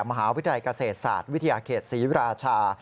มหาวิทยาลัยเกษตรศาสตร์วิทยาเขตศรีราชา